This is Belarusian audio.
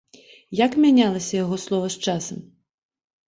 Як мянялася яго слова з часам?